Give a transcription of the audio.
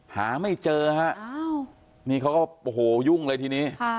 หาไม่เจอฮะนี่เขาก็โอ้โหยุ่งเลยทีนี้